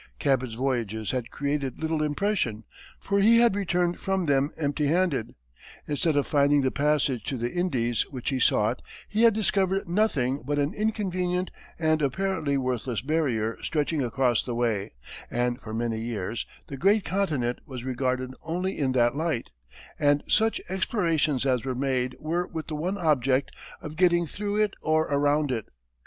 Cabot's voyages had created little impression, for he had returned from them empty handed; instead of finding the passage to the Indies which he sought, he had discovered nothing but an inconvenient and apparently worthless barrier stretching across the way, and for many years the great continent was regarded only in that light, and such explorations as were made were with the one object of getting through it or around it.